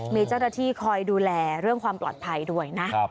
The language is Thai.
มีเจ้าหน้าที่คอยดูแลเรื่องความปลอดภัยด้วยนะ